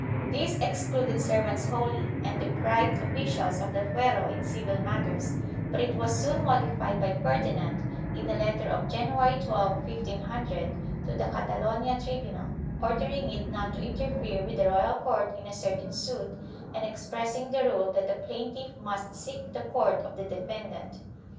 1 This excluded servants wholly and deprived officials of the fuero in civil matters, but it was soon modified by Ferdinand, in a letter of January 12, 1500, to the Catalonia tribunal, ordering it not to interfere with the royal court in a certain suit, and ex pressing the rule that the plaintiff must seek the court of the defendant.